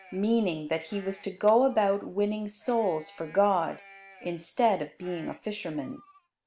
Meaning that he was to go about winning souls for God, instead of being a fisherman.